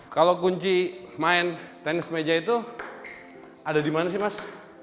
kalau kunci main tenis meja itu ada di mana sih mas